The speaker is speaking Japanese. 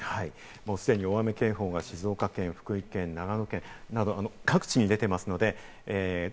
すでに大雨警報が静岡県、福井県、長野県などで出ています。